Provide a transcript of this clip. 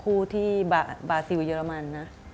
คู่ที่บาซิลเยอรมันนะ